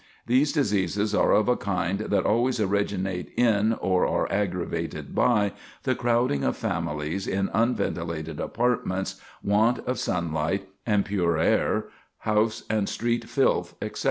These diseases are of a kind that always originate in or are aggravated by the crowding of families in unventilated apartments, want of sunlight and pure air, house and street filth, etc.